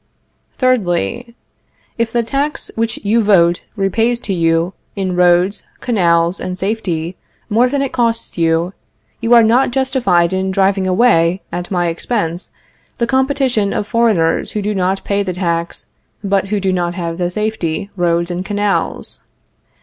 Thirdly. If the tax which you vote repays to you, in roads, canals and safety, more than it costs you, you are not justified in driving away, at my expense, the competition of foreigners who do not pay the tax but who do not have the safety, roads and canals.